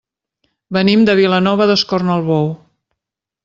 Venim de Vilanova d'Escornalbou.